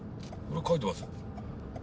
書いてます。